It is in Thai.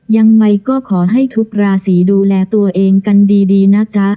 ยังไงก็ขอให้ทุกราศีดูแลตัวเองกันดีนะจ๊ะ